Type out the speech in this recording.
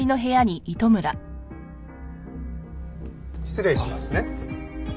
失礼しますね。